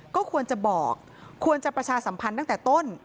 ก็ควรจะบอกควรจะประชาสัมพันธ์ตั้งแต่ต้น